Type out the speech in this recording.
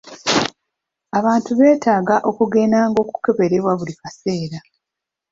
Abantu beetaaga okugendanga okukeberebwa buli kaseera.